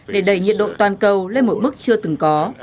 để đẩy nhiệt độ toàn cầu lên một mức chưa từng có